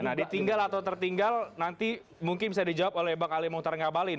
nah ditinggal atau tertinggal nanti mungkin bisa dijawab oleh bang ali maung tarangga balin